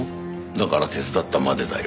だから手伝ったまでだよ。